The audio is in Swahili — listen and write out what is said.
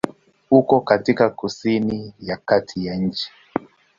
Uko katika kusini ya kati ya nchi.